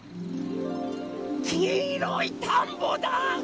きいろいたんぼだ！